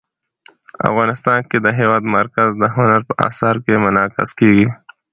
افغانستان کې د هېواد مرکز د هنر په اثار کې منعکس کېږي.